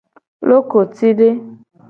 Lokotide.